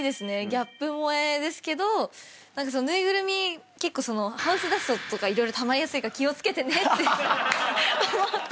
ギャップもえですけど縫いぐるみ結構ハウスダストとか色々たまりやすいから気を付けてねって。